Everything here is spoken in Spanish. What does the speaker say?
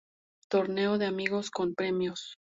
Torneo de Amigos con Premios.